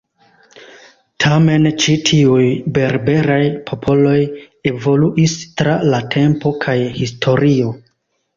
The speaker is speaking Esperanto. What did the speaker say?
Tamen ĉi tiuj berberaj popoloj evoluis tra la tempo kaj historio.